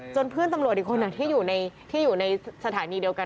เพื่อนตำรวจอีกคนที่อยู่ในสถานีเดียวกัน